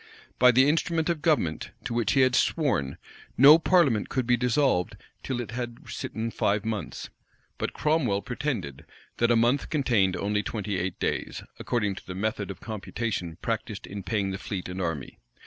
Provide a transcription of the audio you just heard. By the instrument of government, to which he had sworn, no parliament could be dissolved till it had sitten five months; but Cromwell pretended, that a month contained only twenty eight days, according to the method of computation practised in paying the fleet and army.